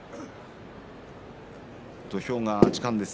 土俵が時間です。